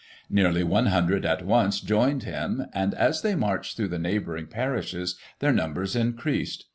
Nearly 100 at once joined him, and as they meirched through the neigh bouring parishes their niunbers increased.